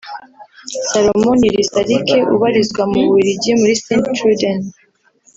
Salomon Nirisarike ubarizwa mu Bubiligi muri Sint Truiden